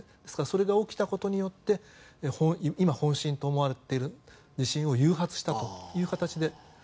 ですからそれが起きたことで今、本震と思われている地震を誘発したという形で。